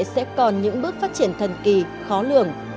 sẽ còn những bước phát triển thần kỳ khó lường